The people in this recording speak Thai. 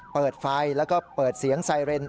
เปิดไฟแล้วก็เปิดเสียงไซเรน